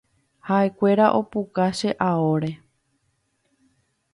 Ha’ekuéra opuka che aóre.